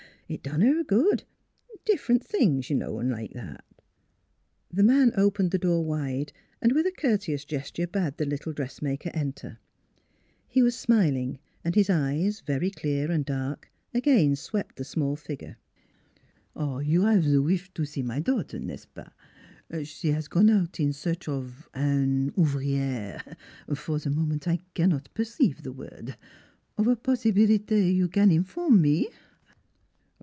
It done her good differ'nt things, you know, 'n' like that." The man opened the door wide, and with a courteous gesture bade the little dressmaker enter. 76 NEIGHBORS He was smiling and his eyes, very clear and dark, again swept the small figure. " You 'ave ze wish to see my daughter, n'est ce pas? S'e has gone out in search of an ouvri ere for the moment I cannot perceive the word; of a possibility you can inform me?